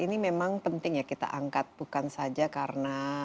ini memang penting ya kita angkat bukan saja karena